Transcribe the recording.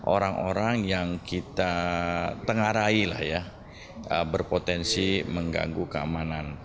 orang orang yang kita tengarai berpotensi mengganggu keamanan